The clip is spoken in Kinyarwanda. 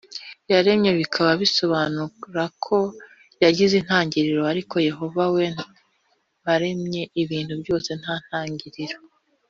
yaremwe bikaba bisobanura ko yagize intangiriro ariko yehova we waremye ibintu byose nta ntangiriro